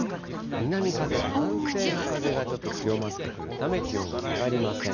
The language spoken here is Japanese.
南風、南西の風が、ちょっと強まってくるため、気温が下がりません。